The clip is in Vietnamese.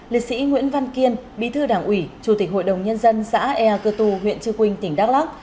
liệt sĩ nguyễn văn kiên bi thư đảng ủy chủ tịch hội đồng nhân dân xã ea cơ tù huyện trư quynh tỉnh đắk lắk